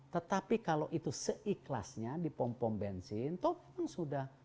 tetapi kalau itu seikhlasnya dipompom bensin tolong sudah